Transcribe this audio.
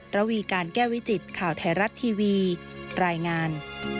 ระวีการแก้วิจิตข่าวไทยรัฐทีวีรายงาน